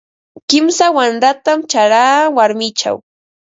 Kimsa wanratam charaa warmichaw.